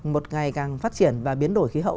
một ngày càng phát triển và biến đổi khí hậu